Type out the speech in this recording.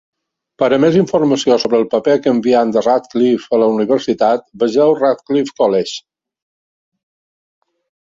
Per a més informació sobre el paper canviant de Radcliffe a la universitat, vegeu Radcliffe College.